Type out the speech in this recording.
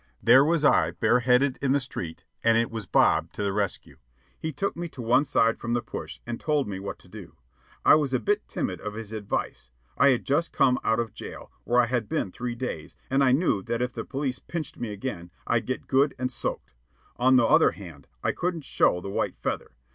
There was I bare headed in the street, and it was Bob to the rescue. He took me to one side from the push and told me what to do. I was a bit timid of his advice. I had just come out of jail, where I had been three days, and I knew that if the police "pinched" me again, I'd get good and "soaked." On the other hand, I couldn't show the white feather.